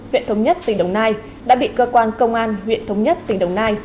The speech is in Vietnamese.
huyện thống nhất tỉnh đồng nai đã bị cơ quan công an huyện thống nhất tỉnh đồng nai